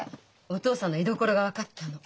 お父さんの居所が分かったの。